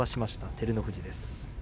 照ノ富士です。